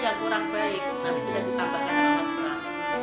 yang kurang baik nanti bisa ditambahkan dengan masker